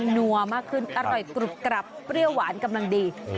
นัวมากขึ้นอร่อยกรุบกรับเปรี้ยวหวานกำลังดี